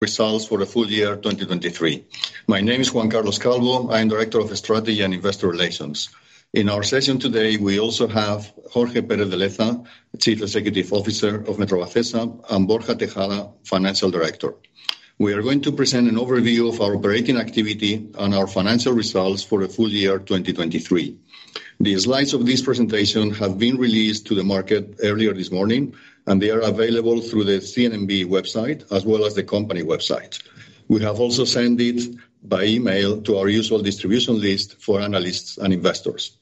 Results for the full year 2023. My name is Juan Carlos Calvo. I am Director of Strategy and Investor Relations. In our session today we also have Jorge Pérez de Leza, Chief Executive Officer of Metrovacesa, and Borja Tejada, Financial Director. We are going to present an overview of our operating activity and our financial results for the full year 2023. The slides of this presentation have been released to the market earlier this morning, and they are available through the CNMV website as well as the company website. We have also sent it by email to our usual distribution list for analysts and investors.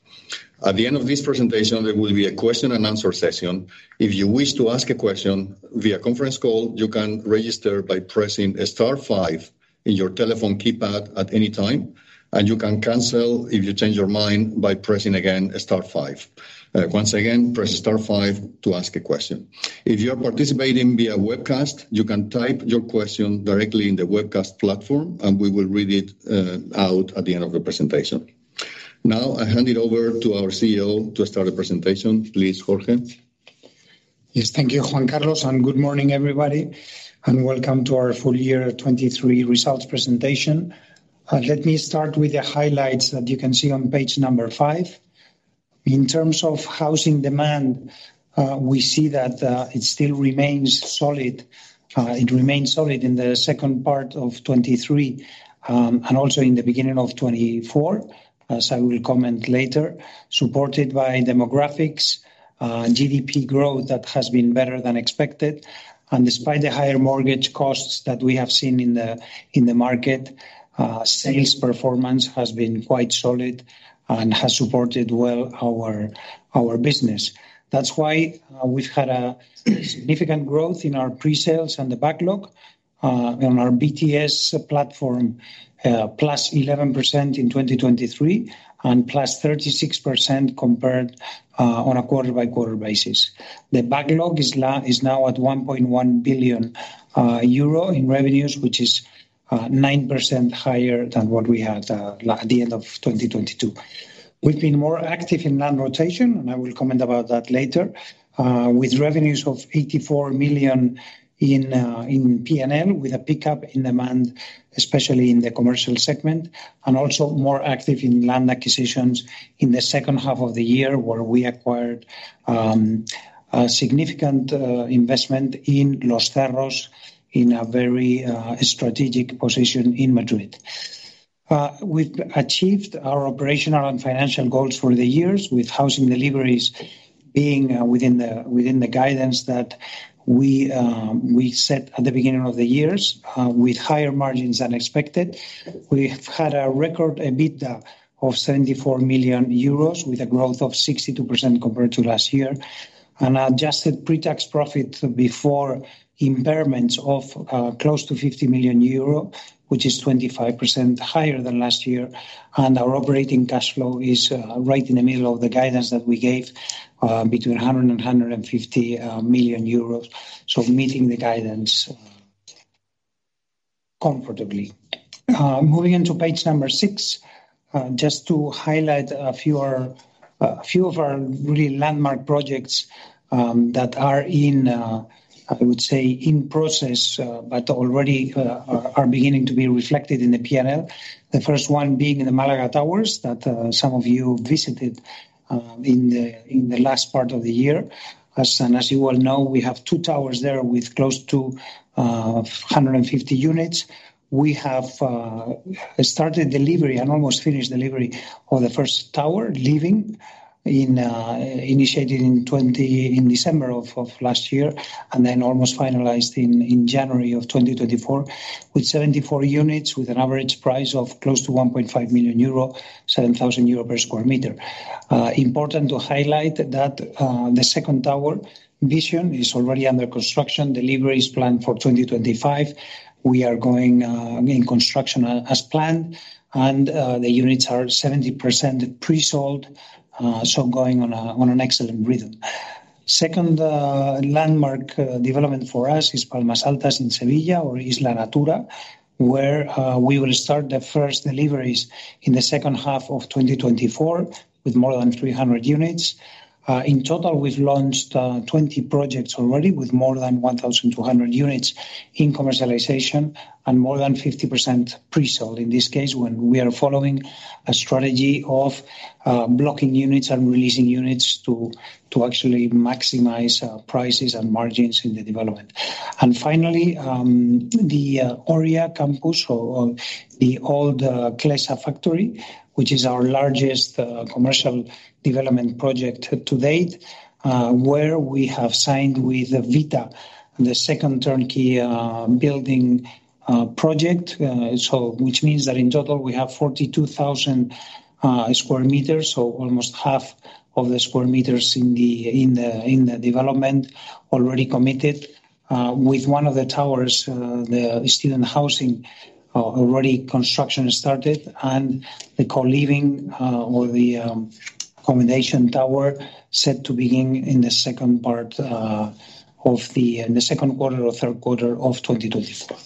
At the end of this presentation there will be a question and answer session. If you wish to ask a question via conference call, you can register by pressing star five in your telephone keypad at any time, and you can cancel if you change your mind by pressing again star five. Once again, press star five to ask a question. If you are participating via webcast, you can type your question directly in the webcast platform and we will read it out at the end of the presentation. Now I hand it over to our CEO to start the presentation, please Jorge. Yes, thank you, Juan Carlos, and good morning everybody, and welcome to our full year 2023 results presentation. Let me start with the highlights that you can see on page number five. In terms of housing demand, we see that it still remains solid. It remains solid in the second part of 2023 and also in the beginning of 2024, as I will comment later. Supported by demographics, GDP growth that has been better than expected, and despite the higher mortgage costs that we have seen in the market, sales performance has been quite solid and has supported well our business. That's why we've had a significant growth in our presales and the backlog. On our BTS platform, +11% in 2023 and +36% compared on a quarter-by-quarter basis. The backlog is now at 1.1 billion euro in revenues, which is 9% higher than what we had at the end of 2022. We've been more active in land rotation, and I will comment about that later, with revenues of 84 million in P&L with a pickup in demand, especially in the commercial segment, and also more active in land acquisitions in the second half of the year where we acquired a significant investment in Los Cerros, in a very strategic position in Madrid. We've achieved our operational and financial goals for the years, with housing deliveries being within the guidance that we set at the beginning of the years, with higher margins than expected. We've had a record EBITDA of 74 million euros with a growth of 62% compared to last year, an adjusted pre-tax profit before impairments of close to 50 million euro, which is 25% higher than last year, and our operating cash flow is right in the middle of the guidance that we gave, between 100 million and 150 million euros, so meeting the guidance comfortably. Moving into page number six, just to highlight a few of our really landmark projects that are in, I would say, in process but already are beginning to be reflected in the P&L. The first one being the Málaga Towers that some of you visited in the last part of the year. As you all know, we have two towers there with close to 150 units. We have started delivery and almost finished delivery of the first tower, Living, initiated in December of last year and then almost finalized in January of 2024, with 74 units, with an average price of close to 1.5 million euro, 7,000 euro per square meter. Important to highlight that the second tower Vision is already under construction. Delivery is planned for 2025. We are going in construction as planned, and the units are 70% presold, so going on an excellent rhythm. Second landmark development for us is Palmas Altas in Seville, or Isla Natura, where we will start the first deliveries in the second half of 2024 with more than 300 units. In total, we've launched 20 projects already with more than 1,200 units in commercialization and more than 50% presold, in this case when we are following a strategy of blocking units and releasing units to actually maximize prices and margins in the development. And finally, the Oria Campus, or the old Clesa factory, which is our largest commercial development project to date, where we have signed with Vita, the second turnkey building project, which means that in total we have 42,000 sq m, so almost half of the square meters in the development already committed. With one of the towers, the student housing, already construction started, and the co-living, or the accommodation tower, set to begin in the second part of the second quarter or third quarter of 2024.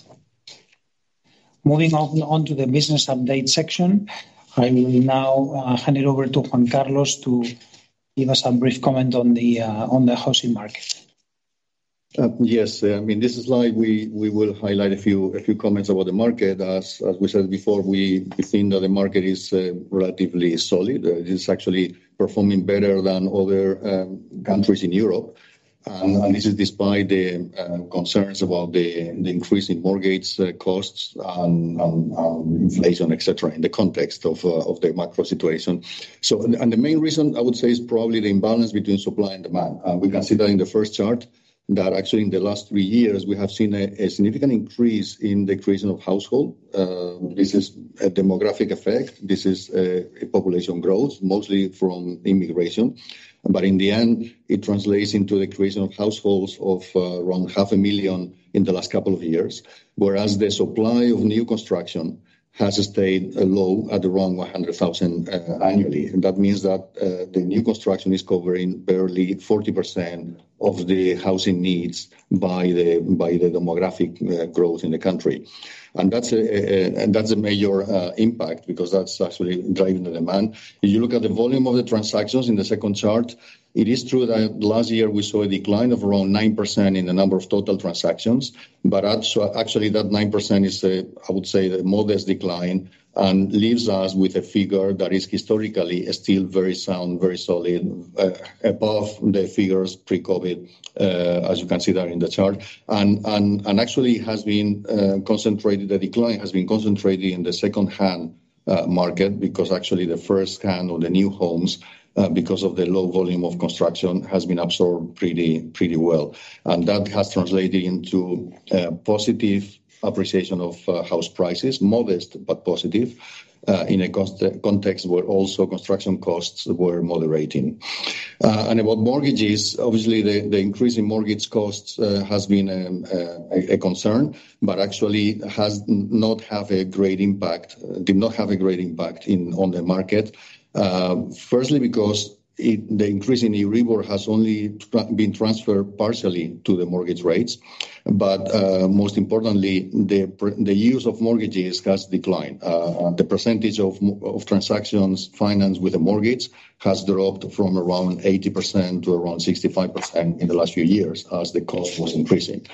Moving on to the business update section, I will now hand it over to Juan Carlos to give us a brief comment on the housing market. Yes, I mean, this is why we will highlight a few comments about the market. As we said before, we think that the market is relatively solid. It is actually performing better than other countries in Europe, and this is despite the concerns about the increase in mortgage costs and inflation, etc., in the context of the macro situation. The main reason, I would say, is probably the imbalance between supply and demand. We can see that in the first chart, that actually in the last three years we have seen a significant increase in the creation of households. This is a demographic effect. This is population growth, mostly from immigration. But in the end, it translates into the creation of households of around 500,000 in the last couple of years, whereas the supply of new construction has stayed low at around 100,000 annually. That means that the new construction is covering barely 40% of the housing needs by the demographic growth in the country. That's a major impact because that's actually driving the demand. If you look at the volume of the transactions in the second chart, it is true that last year we saw a decline of around 9% in the number of total transactions, but actually that 9% is, I would say, the modest decline and leaves us with a figure that is historically still very sound, very solid, above the figures pre-COVID, as you can see there in the chart. And actually has been concentrated the decline has been concentrated in the second-hand market because actually the first-hand or the new homes, because of the low volume of construction, has been absorbed pretty well. That has translated into positive appreciation of house prices, modest but positive, in a context where also construction costs were moderating. About mortgages, obviously the increase in mortgage costs has been a concern, but actually has not had a great impact, did not have a great impact on the market. Firstly, because the increase in Euribor has only been transferred partially to the mortgage rates, but most importantly, the use of mortgages has declined. The percentage of transactions financed with the mortgage has dropped from around 80%-65% in the last few years as the cost was increasing.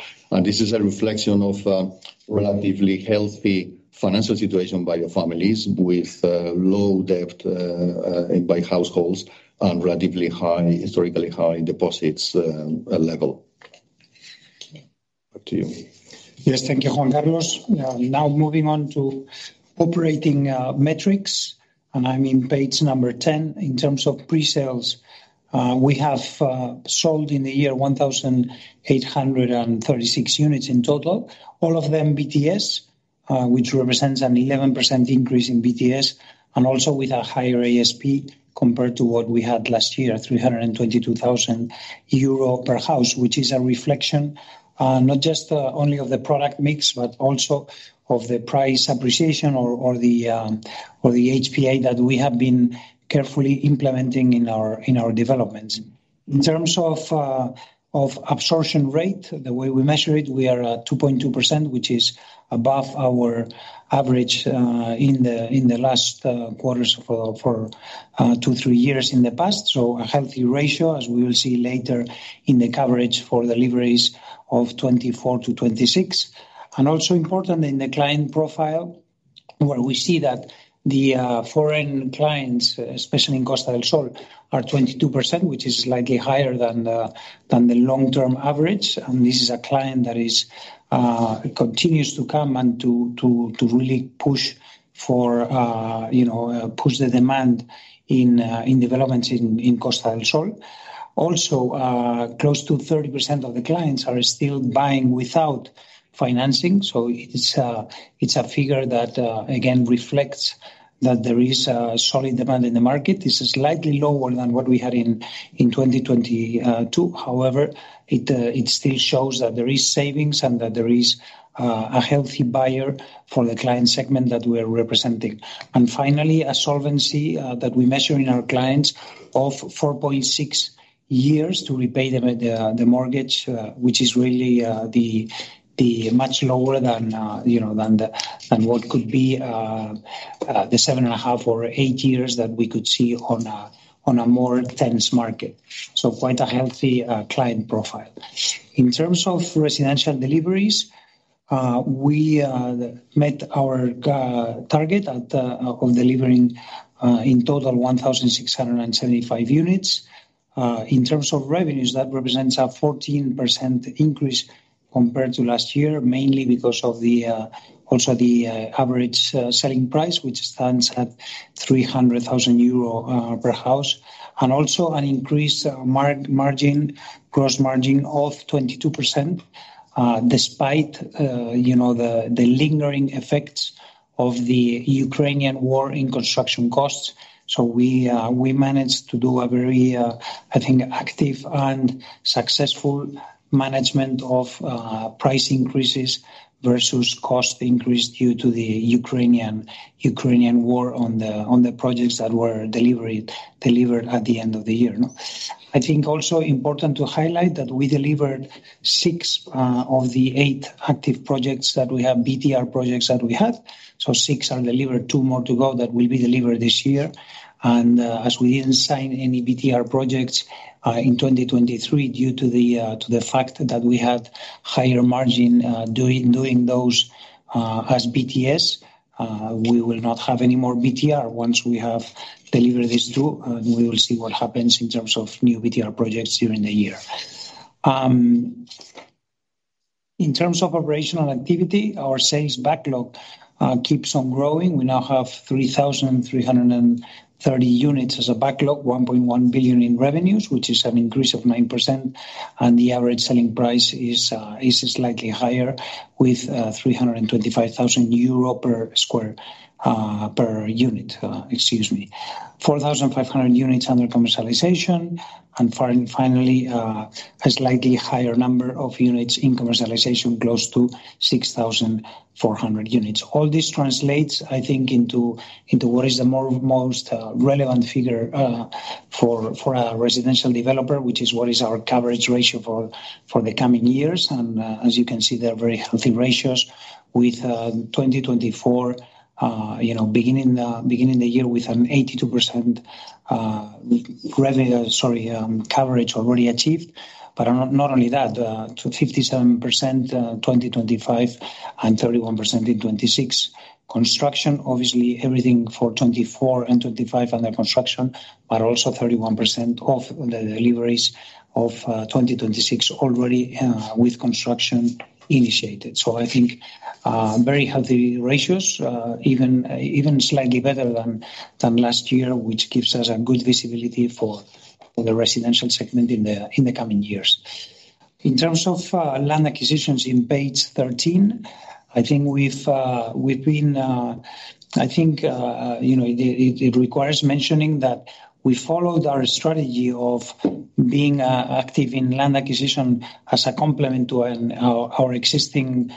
This is a reflection of a relatively healthy financial situation by families with low debt by households and relatively high, historically high deposits level. Back to you. Yes, thank you Juan Carlos. Now moving on to operating metrics, and I'm on page 10. In terms of presales, we have sold in the year 1,836 units in total, all of them BTS, which represents an 11% increase in BTS, and also with a higher ASP compared to what we had last year, 322,000 euro per house, which is a reflection not just only of the product mix, but also of the price appreciation or the HPA that we have been carefully implementing in our developments. In terms of absorption rate, the way we measure it, we are at 2.2%, which is above our average in the last quarters for 2-3 years in the past. So a healthy ratio, as we will see later in the coverage for deliveries of 2024-2026. Also importantly, in the client profile, where we see that the foreign clients, especially in Costa del Sol, are 22%, which is slightly higher than the long-term average. This is a client that continues to come and to really push the demand in developments in Costa del Sol. Also, close to 30% of the clients are still buying without financing. It's a figure that, again, reflects that there is solid demand in the market. It's slightly lower than what we had in 2022. However, it still shows that there is savings and that there is a healthy buyer for the client segment that we are representing. Finally, a solvency that we measure in our clients of 4.6 years to repay the mortgage, which is really much lower than what could be the 7.5 or 8 years that we could see on a more tense market. Quite a healthy client profile. In terms of residential deliveries, we met our target of delivering in total 1,675 units. In terms of revenues, that represents a 14% increase compared to last year, mainly because of also the average selling price, which stands at 300,000 euro per house, and also an increased gross margin of 22% despite the lingering effects of the Ukrainian war in construction costs. We managed to do a very, I think, active and successful management of price increases versus cost increase due to the Ukrainian war on the projects that were delivered at the end of the year. I think also important to highlight that we delivered six of the eight active projects that we have, BTR projects that we had. So six are delivered, two more to go that will be delivered this year. As we didn't sign any BTR projects in 2023 due to the fact that we had higher margin doing those as BTS, we will not have any more BTR once we have delivered these two, and we will see what happens in terms of new BTR projects during the year. In terms of operational activity, our sales backlog keeps on growing. We now have 3,330 units as a backlog, 1.1 billion in revenues, which is an increase of 9%, and the average selling price is slightly higher with 325,000 euro per unit, excuse me, 4,500 units under commercialization, and finally, a slightly higher number of units in commercialization, close to 6,400 units. All this translates, I think, into what is the most relevant figure for a residential developer, which is what is our coverage ratio for the coming years. As you can see, they're very healthy ratios with 2024 beginning the year with an 82% coverage already achieved. Not only that, 57% in 2025 and 31% in 2026. Construction, obviously, everything for 2024 and 2025 under construction, but also 31% of the deliveries of 2026 already with construction initiated. I think very healthy ratios, even slightly better than last year, which gives us a good visibility for the residential segment in the coming years. In terms of land acquisitions in page 13, I think it requires mentioning that we followed our strategy of being active in land acquisition as a complement to our existing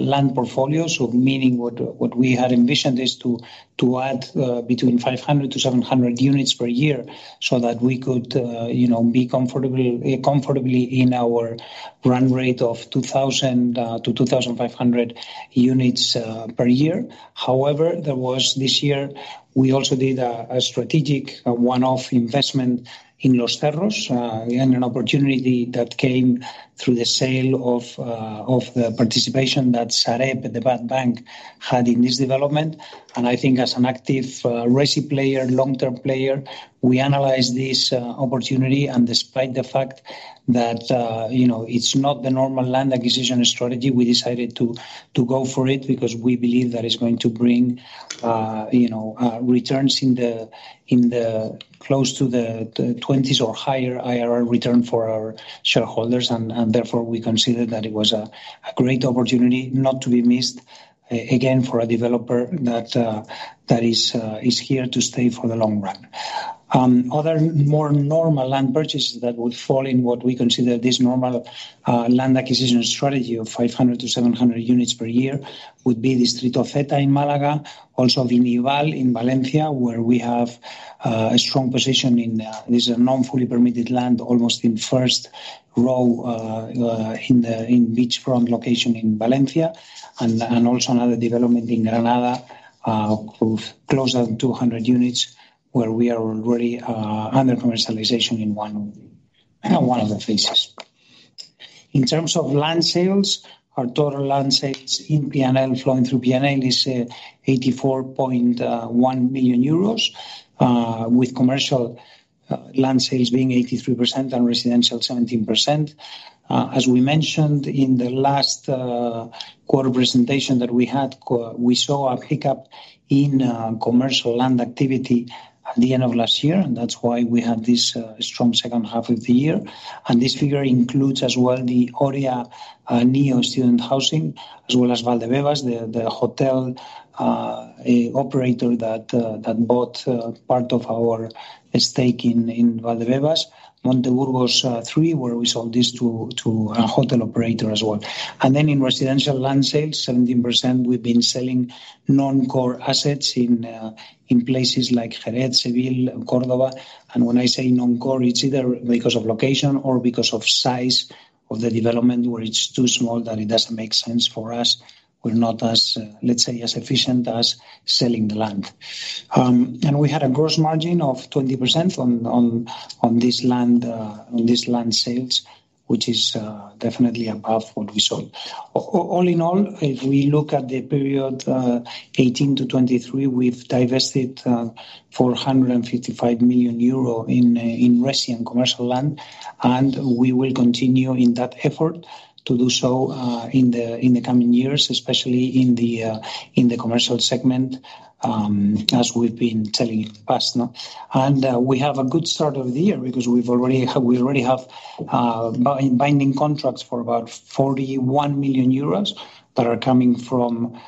land portfolio, so meaning what we had envisioned is to add between 500-700 units per year so that we could be comfortably in our run rate of 2,000-2,500 units per year. However, this year, we also did a strategic one-off investment in Los Cerros, again, an opportunity that came through the sale of the participation that Sareb, the bad bank, had in this development. And I think as an active resi player, long-term player, we analyzed this opportunity. And despite the fact that it's not the normal land acquisition strategy, we decided to go for it because we believe that it's going to bring returns in the close to the 20s or higher IRR return for our shareholders. And therefore, we considered that it was a great opportunity not to be missed, again, for a developer that is here to stay for the long run. Other more normal land purchases that would fall in what we consider this normal land acquisition strategy of 500-700 units per year would be Distrito Zeta in Málaga, also Vinival in Valencia, where we have a strong position. This is a non-fully permitted land almost in first row in beachfront location in Valencia, and also another development in Granada of close to 200 units where we are already under commercialization in one of the phases. In terms of land sales, our total land sales in P&L flowing through P&L is 84.1 million euros, with commercial land sales being 83% and residential 17%. As we mentioned in the last quarter presentation that we had, we saw a pickup in commercial land activity at the end of last year, and that's why we had this strong second half of the year. And this figure includes as well the Oria new student housing, as well as Valdebebas, the hotel operator that bought part of our stake in Valdebebas, Monteburgos III, where we sold this to a hotel operator as well. And then in residential land sales, 17%, we've been selling non-core assets in places like Jerez, Seville, Córdoba. And when I say non-core, it's either because of location or because of size of the development where it's too small that it doesn't make sense for us. We're not, let's say, as efficient as selling the land. We had a gross margin of 20% on these land sales, which is definitely above what we sold. All in all, if we look at the period 2018 to 2023, we've divested 455 million euro in resi and commercial land, and we will continue in that effort to do so in the coming years, especially in the commercial segment, as we've been telling in the past. We have a good start of the year because we already have binding contracts for about 41 million euros that are coming from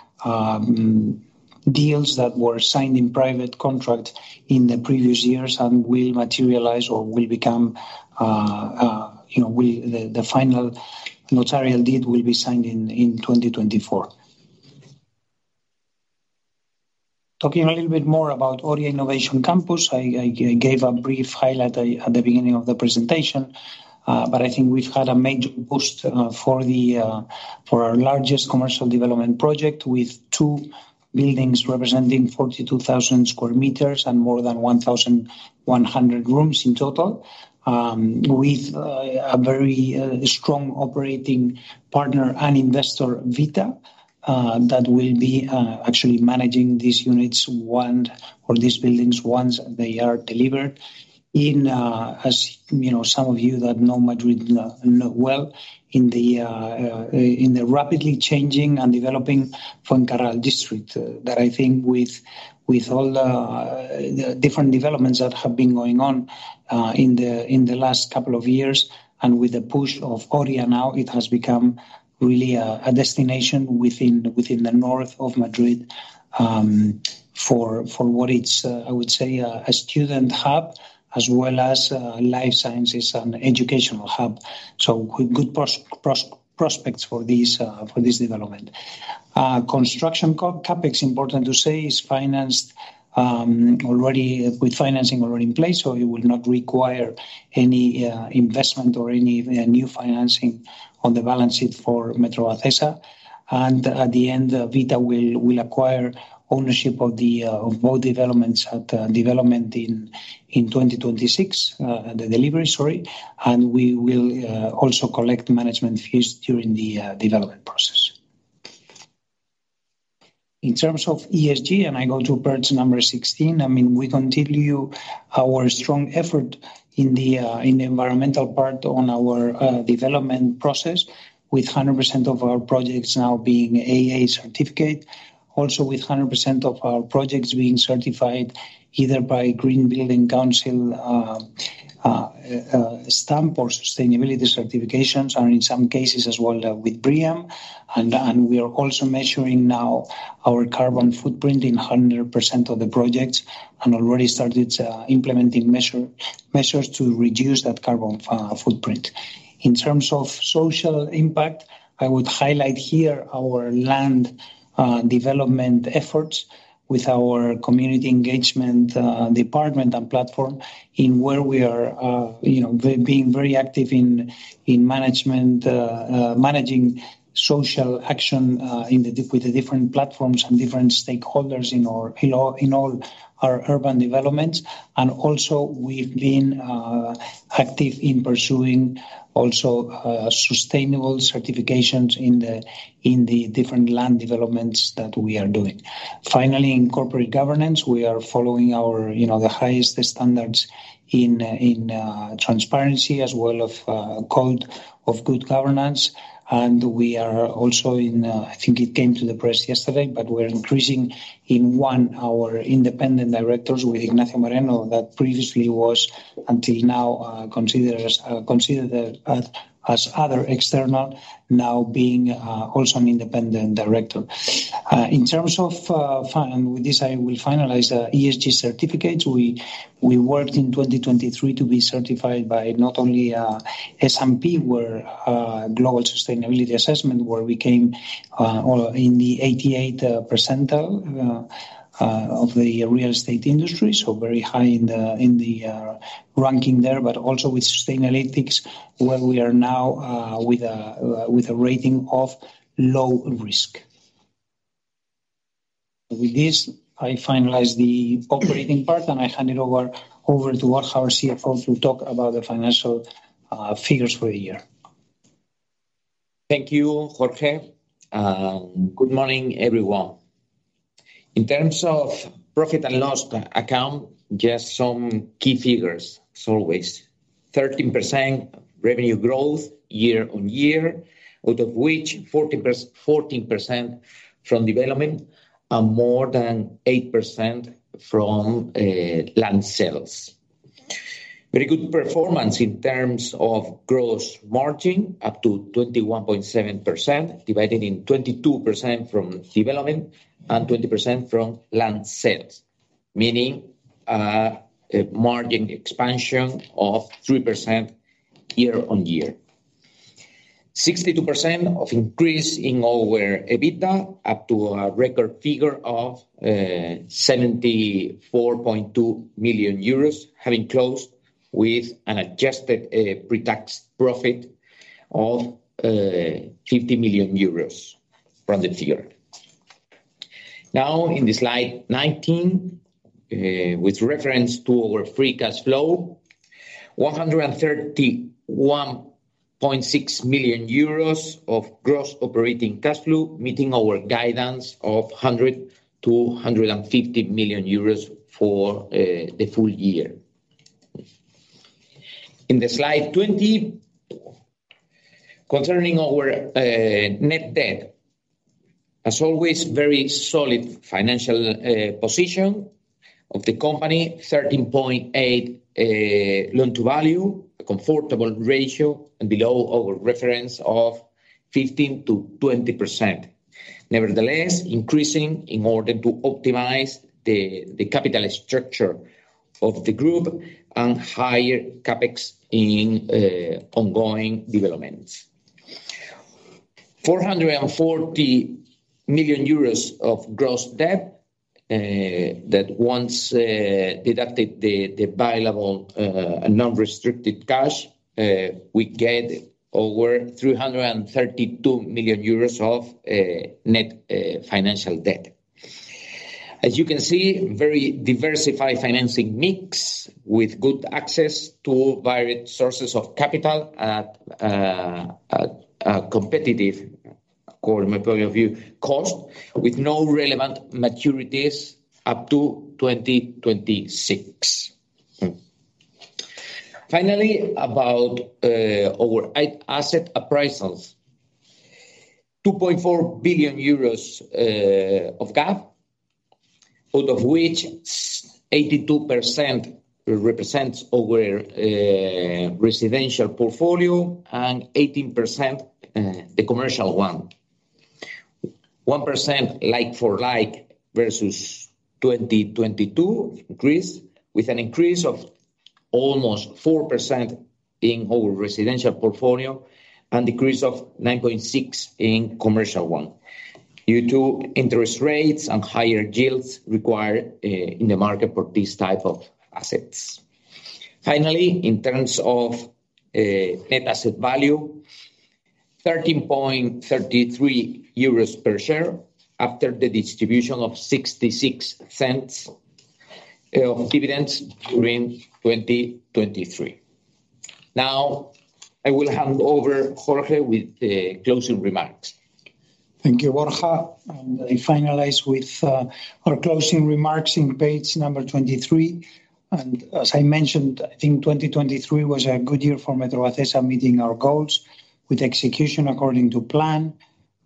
deals that were signed in private contract in the previous years and will materialize or the final notarial deed will be signed in 2024. Talking a little bit more about Oria Innovation Campus, I gave a brief highlight at the beginning of the presentation, but I think we've had a major boost for our largest commercial development project with two buildings representing 42,000 sq m, and more than 1,100 rooms in total, with a very strong operating partner and investor, Vita, that will be actually managing these units or these buildings once they are delivered. As some of you that know Madrid know well, in the rapidly changing and developing Fuencarral district, that I think with all the different developments that have been going on in the last couple of years and with the push of Oria now, it has become really a destination within the north of Madrid for what it's, I would say, a student hub as well as a life sciences and educational hub. So good prospects for this development. Construction CapEx, important to say, is financed already with financing already in place, so it will not require any investment or any new financing on the balance sheet for Metrovacesa. At the end, Vita will acquire ownership of both developments at development in 2026, the delivery, sorry, and we will also collect management fees during the development process. In terms of ESG, I go to page 16, I mean, we continue our strong effort in the environmental part on our development process with 100% of our projects now being AA certificate, also with 100% of our projects being certified either by Green Building Council stamp or sustainability certifications, and in some cases as well with BREEAM. We are also measuring now our carbon footprint in 100% of the projects and already started implementing measures to reduce that carbon footprint. In terms of social impact, I would highlight here our land development efforts with our community engagement department and platform in where we are being very active in managing social action with the different platforms and different stakeholders in all our urban developments. Also, we've been active in pursuing also sustainable certifications in the different land developments that we are doing. Finally, in corporate governance, we are following the highest standards in transparency as well as code of good governance. And we are also. I think it came to the press yesterday, but we're increasing one of our independent directors with Ignacio Moreno that previously was until now considered as other external, now being also an independent Director. And with this, I will finalize the ESG certificates. We worked in 2023 to be certified by not only S&P Global Sustainability Assessment where we came in the 88th percentile of the real estate industry, so very high in the ranking there, but also with Sustainalytics where we are now with a rating of low risk. With this, I finalize the operating part, and I hand it over to Borja, our CFO, to talk about the financial figures for the year. Thank you, Jorge. Good morning, everyone. In terms of profit and loss account, just some key figures, as always. 13% revenue growth year-on-year, out of which 14% from development and more than 8% from land sales. Very good performance in terms of gross margin, up to 21.7% divided in 22% from development and 20% from land sales, meaning margin expansion of 3% year-on-year. 62% of increase in our EBITDA, up to a record figure of 74.2 million euros, having closed with an adjusted pre-tax profit of 50 million euros from the figure. Now, in the slide 19, with reference to our free cash flow, 131.6 million euros of gross operating cash flow meeting our guidance of 100 million-150 million euros for the full year. In the slide 20, concerning our net debt, as always, very solid financial position of the company, 13.8 loan to value, a comfortable ratio below our reference of 15%-20%. Nevertheless, increasing in order to optimize the capital structure of the group and higher CapEx in ongoing developments. 440 million euros of gross debt that once deducted the billable non-restricted cash, we get over 332 million euros of net financial debt. As you can see, very diversified financing mix with good access to varied sources of capital at a competitive, according to my point of view, cost with no relevant maturities up to 2026. Finally, about our asset appraisals, 2.4 billion euros of GAV, out of which 82% represents our residential portfolio and 18% the commercial one. 1% like-for-like versus 2022 increase with an increase of almost 4% in our residential portfolio and decrease of 9.6% in commercial one due to interest rates and higher yields required in the market for these type of assets. Finally, in terms of net asset value, 13.33 euros per share after the distribution of 0.66 euros of dividends during 2023. Now, I will hand over to Jorge with the closing remarks. Thank you, Borja. I finalize with our closing remarks on page 23. As I mentioned, I think 2023 was a good year for Metrovacesa meeting our goals with execution according to plan.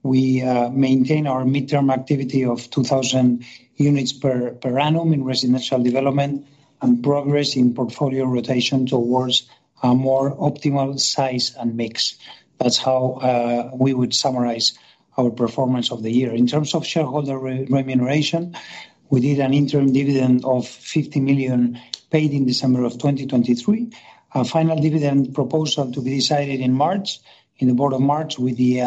We maintain our midterm activity of 2,000 units per annum in residential development and progress in portfolio rotation towards a more optimal size and mix. That's how we would summarize our performance of the year. In terms of shareholder remuneration, we did an interim dividend of 50 million paid in December of 2023. A final dividend proposal to be decided in March, in the board of March with the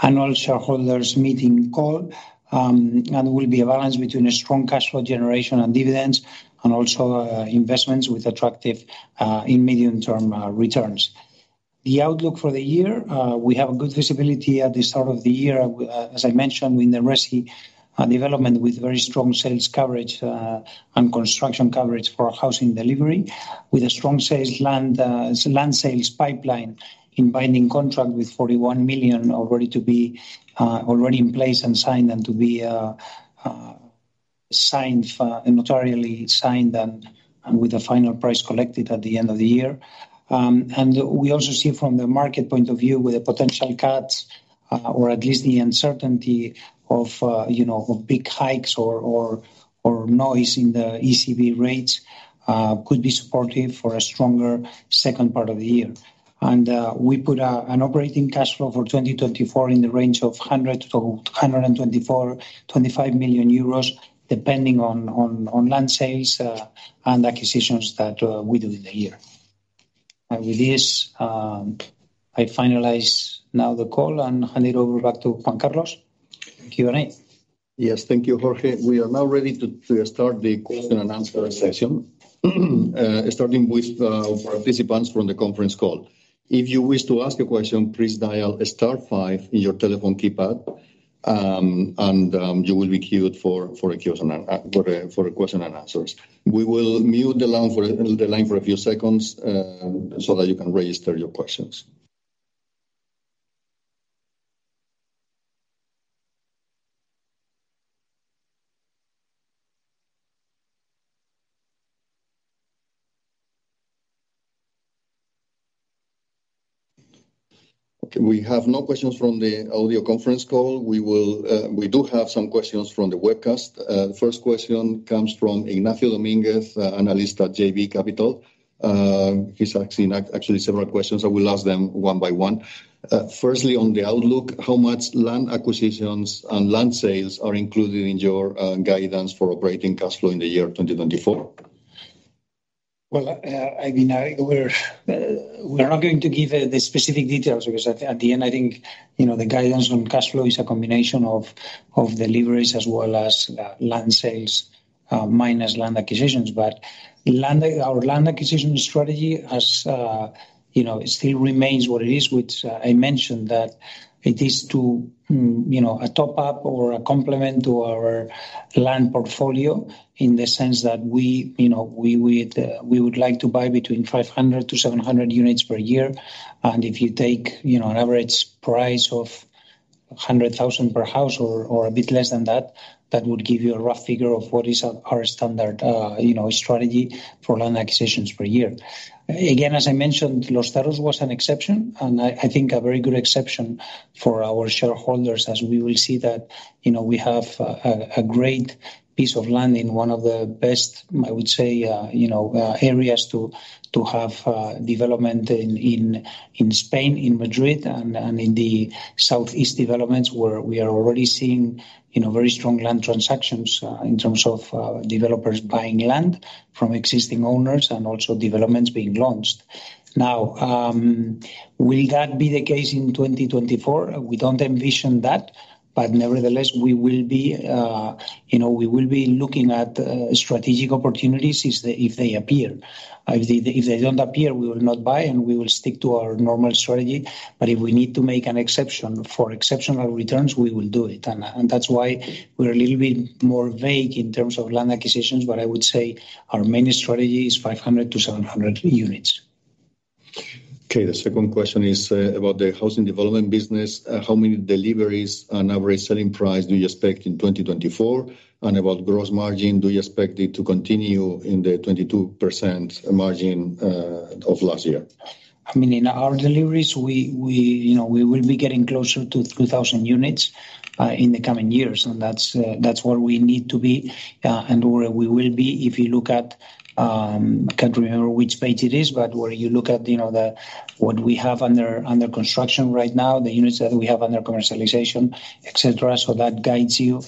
annual shareholders' meeting call, and will be a balance between a strong cash flow generation and dividends and also investments with attractive in-medium term returns. The outlook for the year, we have a good visibility at the start of the year, as I mentioned, in the resi development with very strong sales coverage and construction coverage for housing delivery with a strong sales land sales pipeline in binding contract with 41 million already to be already in place and signed and to be notarially signed and with a final price collected at the end of the year. And we also see from the market point of view with a potential cut or at least the uncertainty of big hikes or noise in the ECB rates could be supportive for a stronger second part of the year. And we put an operating cash flow for 2024 in the range of 100 million-125 million euros depending on land sales and acquisitions that we do in the year. With this, I finalize now the call and hand it over back to Juan Carlos Q&A. Yes, thank you, Jorge. We are now ready to start the question and answer session, starting with our participants from the conference call. If you wish to ask a question, please dial star five in your telephone keypad, and you will be queued for a question and answers. We will mute the line for a few seconds so that you can register your questions. Okay, we have no questions from the audio conference call. We do have some questions from the webcast. The first question comes from Ignacio Domínguez, analyst at JB Capital. He's asking actually several questions. I will ask them one by one. Firstly, on the outlook, how much land acquisitions and land sales are included in your guidance for operating cash flow in the year 2024? Well, I mean, we're not going to give the specific details because at the end, I think the guidance on cash flow is a combination of deliveries as well as land sales minus land acquisitions. But our land acquisition strategy still remains what it is, which I mentioned that it is to a top-up or a complement to our land portfolio in the sense that we would like to buy between 500-700 units per year. And if you take an average price of 100,000 per house or a bit less than that, that would give you a rough figure of what is our standard strategy for land acquisitions per year. Again, as I mentioned, Los Cerros was an exception, and I think a very good exception for our shareholders as we will see that we have a great piece of land in one of the best, I would say, areas to have development in Spain, in Madrid, and in the southeast developments where we are already seeing very strong land transactions in terms of developers buying land from existing owners and also developments being launched. Now, will that be the case in 2024? We don't envision that. But nevertheless, we will be looking at strategic opportunities if they appear. If they don't appear, we will not buy, and we will stick to our normal strategy. But if we need to make an exception for exceptional returns, we will do it. And that's why we're a little bit more vague in terms of land acquisitions. I would say our main strategy is 500-700 units. Okay, the second question is about the housing development business. How many deliveries and average selling price do you expect in 2024? About gross margin, do you expect it to continue in the 22% margin of last year? I mean, in our deliveries, we will be getting closer to 3,000 units in the coming years. And that's where we need to be and where we will be if you look at I can't remember which page it is, but where you look at what we have under construction right now, the units that we have under commercialization, etc. So that guides you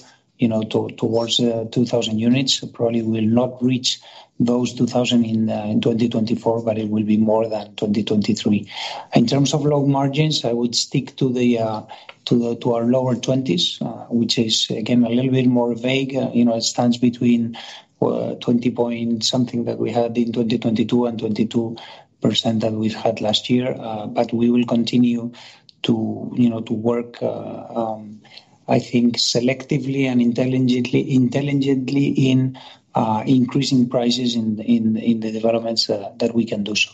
towards 2,000 units. Probably will not reach those 2,000 in 2024, but it will be more than 2023. In terms of low margins, I would stick to our lower 20s, which is, again, a little bit more vague. It stands between 20 point something that we had in 2022 and 22% that we've had last year. But we will continue to work, I think, selectively and intelligently in increasing prices in the developments that we can do so.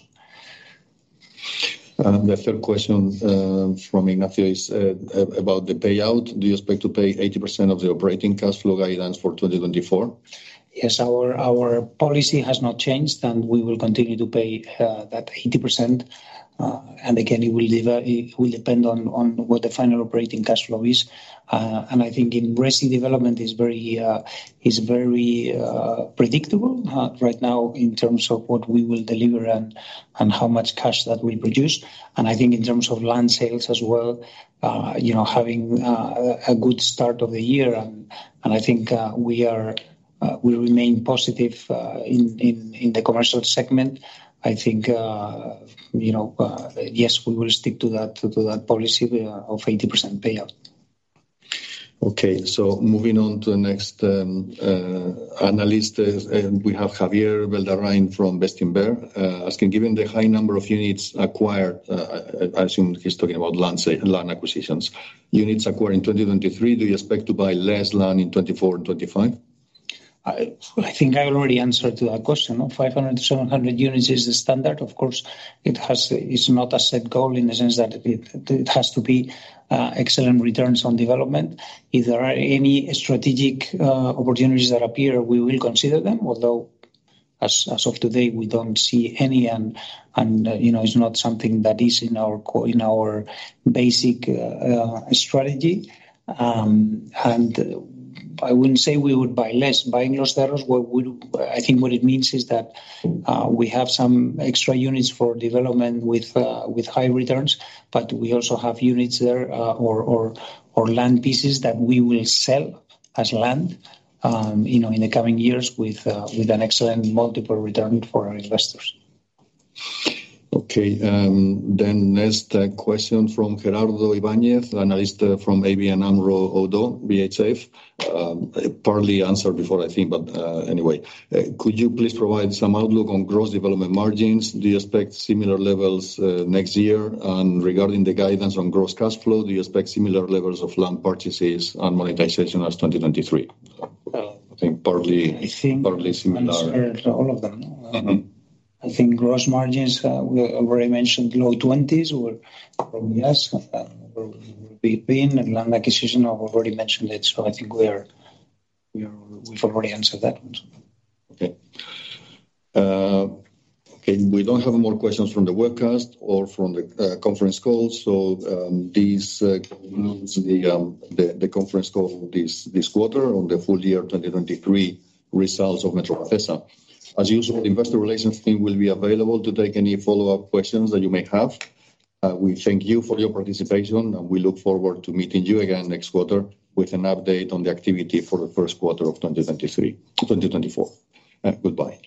The third question from Ignacio is about the payout. Do you expect to pay 80% of the operating cash flow guidance for 2024? Yes, our policy has not changed, and we will continue to pay that 80%. Again, it will depend on what the final operating cash flow is. I think in resi development, it's very predictable right now in terms of what we will deliver and how much cash that we produce. I think in terms of land sales as well, having a good start of the year, and I think we remain positive in the commercial segment, I think, yes, we will stick to that policy of 80% payout. Okay, so moving on to the next analyst, we have Javier Beldarrain from Bestinver asking, given the high number of units acquired, I assume he's talking about land acquisitions, units acquired in 2023, do you expect to buy less land in 2024 and 2025? Well, I think I already answered to that question. 500-700 units is the standard. Of course, it is not a set goal in the sense that it has to be excellent returns on development. If there are any strategic opportunities that appear, we will consider them, although as of today, we don't see any, and it's not something that is in our basic strategy. And I wouldn't say we would buy less. Buying Los Cerros, I think what it means is that we have some extra units for development with high returns, but we also have units there or land pieces that we will sell as land in the coming years with an excellent multiple return for our investors. Okay, then next question from Gerardo Ibáñez, analyst from ABN AMRO ODDO BHF, partly answered before, I think, but anyway. Could you please provide some outlook on gross development margins? Do you expect similar levels next year? And regarding the guidance on gross cash flow, do you expect similar levels of land purchases and monetization as 2023? I think partly similar. I think all of them. I think gross margins, we already mentioned low 20s or probably yes, where we will be being. And land acquisition, I've already mentioned it. So I think we've already answered that one. Okay. Okay, we don't have more questions from the webcast or from the conference call. This concludes the conference call this quarter on the full year 2023 results of Metrovacesa. As usual, the investor relations team will be available to take any follow-up questions that you may have. We thank you for your participation, and we look forward to meeting you again next quarter with an update on the activity for the first quarter of 2024. Goodbye.